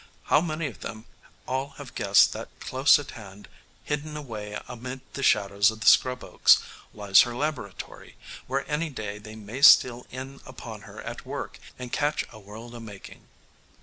How many of them all have guessed that close at hand, hidden away amid the shadows of the scrub oaks, lies her laboratory, where any day they may steal in upon her at her work and catch a world a making?